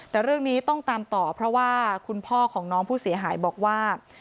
แต่เรื่องนี้ต้องตามต่อเพราะว่าคุณพ่อของน้องผู้เสียหายบอกว่า